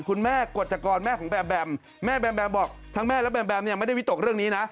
คุณแม่กฎจกรแม่ของแบมแม่แบมแบมบอกทั้งแม่และแมมแบมเนี่ยไม่ได้วิตกเรื่องนี้นะ